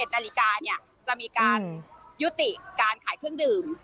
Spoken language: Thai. ๑นาฬิกาจะมีการยุติการขายเครื่องดื่ม